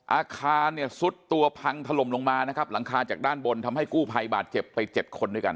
อาคารเนี่ยซุดตัวพังถล่มลงมานะครับหลังคาจากด้านบนทำให้กู้ภัยบาดเจ็บไป๗คนด้วยกัน